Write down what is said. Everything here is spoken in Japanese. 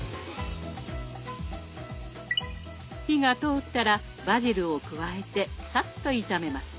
火が通ったらバジルを加えてさっと炒めます。